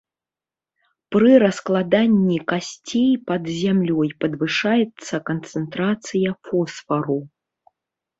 Пры раскладанні касцей пад зямлёй падвышаецца канцэнтрацыя фосфару.